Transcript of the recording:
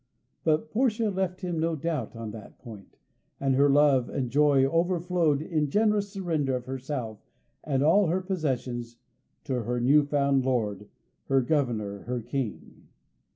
But Portia left him no doubt on that point, and her love and joy overflowed in a generous surrender of herself and all her possessions to her new found "lord, her governor, her king."